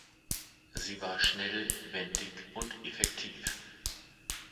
Sie war schnell, wendig und effektiv.